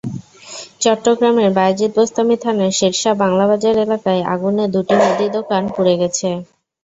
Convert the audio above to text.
চট্টগ্রামের বায়েজিদ বোস্তামী থানার শেরশাহ বাংলাবাজার এলাকায় আগুনে দুটি মুদি দোকান পুড়ে গেছে।